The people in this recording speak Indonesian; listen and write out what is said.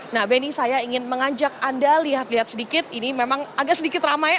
nah benny saya ingin mengajak anda lihat lihat sedikit ini memang agak sedikit ramai